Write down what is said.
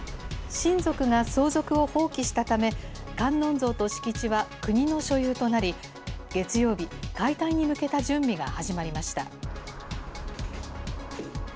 親族が相続を放棄したため、観音像と敷地は国の所有となり、月曜日、解体に向けた準備が始まりました。